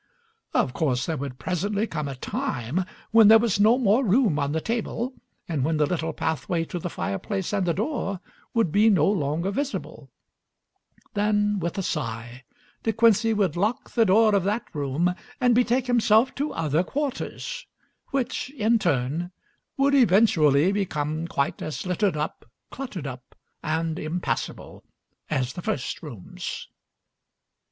Of course there would presently come a time when there was no more room on the table and when the little pathway to the fireplace and the door would be no longer visible; then, with a sigh, De Quincey would lock the door of that room and betake himself to other quarters, which in turn would eventually become quite as littered up, cluttered up, and impassable as the first rooms.